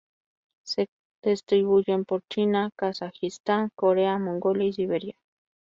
Se distribuyen por China, Kazajistán, Corea, Mongolia y Siberia.